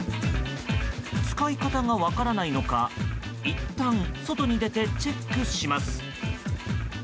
使い方が分からないのかいったん外に出てチェックします。